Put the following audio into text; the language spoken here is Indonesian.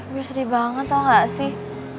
gue sedih banget tau gak sih